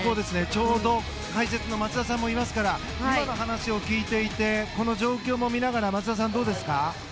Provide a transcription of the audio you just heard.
ちょうど解説の松田さんもいますから今の話を聞いていてこの状況も見ながら松田さん、どうですか？